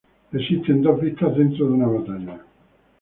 Existen dos vistas dentro de una batalla.